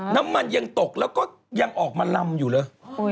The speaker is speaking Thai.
น้ำมันยังตกแล้วก็ยังออกมาลำอยู่เลย